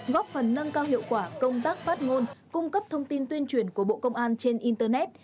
góp phần nâng cao hiệu quả công tác phát ngôn cung cấp thông tin tuyên truyền của bộ công an trên internet